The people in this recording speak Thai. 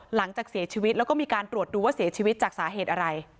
หลังจากเสียชีวิตแล้วก็มีการตรวจดูว่าเสียชีวิตจากสาเหตุอะไร